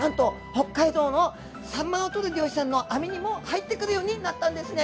北海道のサンマを取る漁師さんの網にも入ってくるようになったんですね。